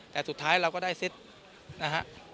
แต่สุดท้ายเราก็ได้เซตนะฮะ